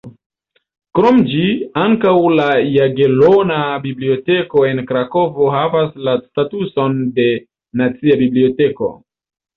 Krom ĝi, ankaŭ la Jagelona Biblioteko en Krakovo havas la statuson de "nacia biblioteko".